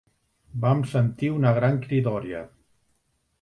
Vam sentir una gran cridòria.